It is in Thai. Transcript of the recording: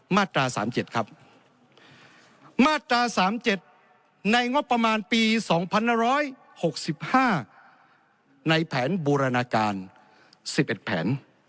มาตรา๓๗ครับมาตรา๓๗ในงบประมาณปี๒๑๖๕ในแผนบูรณาการ๑๑แผน